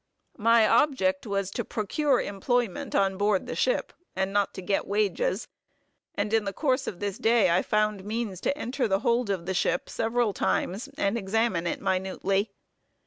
My object was to procure employment on board the ship, and not to get wages; and in the course of this day I found means to enter the hold of the ship several times, and examine it minutely.